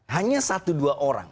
hanya satu dua orang